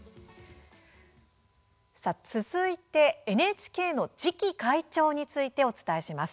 続いてＮＨＫの次期会長についてお伝えします。